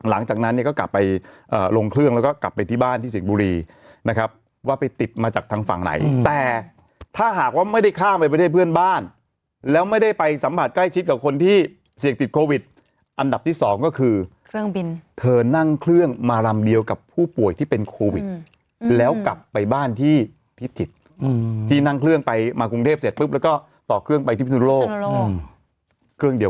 หลังจากนั้นเนี่ยก็กลับไปลงเครื่องแล้วก็กลับไปที่บ้านที่สิ่งบุรีนะครับว่าไปติดมาจากทางฝั่งไหนแต่ถ้าหากว่าไม่ได้ข้ามไปประเทศเพื่อนบ้านแล้วไม่ได้ไปสัมผัสใกล้ชิดกับคนที่เสี่ยงติดโควิดอันดับที่สองก็คือเครื่องบินเธอนั่งเครื่องมารำเดียวกับผู้ป่วยที่เป็นโควิดแล้วกลับไปบ้านที่ที่ติดที่นั่งเครื่องไป